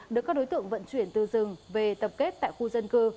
được các đối tượng vận chuyển từ rừng về tập kết tại khu dân cư